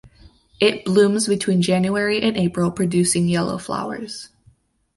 It blooms between January and April producing yellow flowers.